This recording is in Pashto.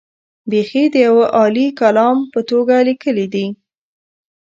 بېخي د یوه عالي کالم په توګه لیکلي دي.